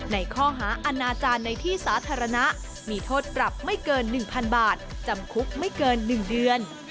ในข้อหาอาณาจารย์ในที่สาธารณะมีโทษปรับไม่เกิน๑๐๐๐บาทจำคุกไม่เกิน๑เดือน